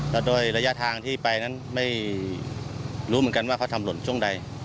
แล้วโดยระยะทางที่ไปนั้นไม่รู้เหมือนกันว่าเขาทำหล่นช่วงใด